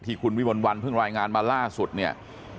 ที่คุณวิมลวันเพิ่งรายงานมาล่าสุดเนี่ย